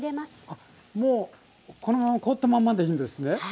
もうこのまま凍ったまんまでいいんですね。